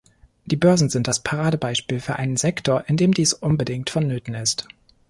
Die Börsen sind das Paradebeispiel für einen Sektor, in dem dies unbedingt vonnöten ist.